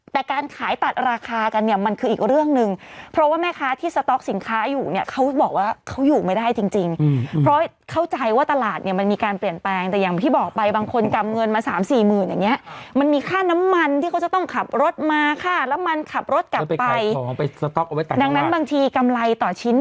แต่การขายตัดราคากันเนี่ยมันคืออีกเรื่องหนึ่งเพราะว่าแม่ค้าที่สต๊อกสินค้าอยู่เนี่ยเขาบอกว่าเขาอยู่ไม่ได้จริงจริงเพราะเข้าใจว่าตลาดเนี่ยมันมีการเปลี่ยนแปลงแต่อย่างที่บอกไปบางคนกำเงินมาสามสี่หมื่นอย่างเงี้ยมันมีค่าน้ำมันที่เขาจะต้องขับรถมาค่าน้ำมันขับรถกลับไปสต๊อกเอาไว้ไปดังนั้นบางทีกำไรต่อชิ้น